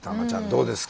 どうですか？